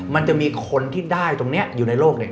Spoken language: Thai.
มันจะมีคนที่ได้ตรงนี้อยู่ในโลกเนี่ย